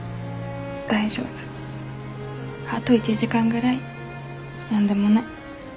あと１時間ぐらい何でもない。